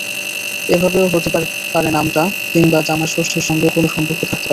এভাবেও হতে পারে নামটা, কিংবা জামাইষষ্ঠীর সঙ্গেও কোনো সম্পর্ক থাকতে পারে।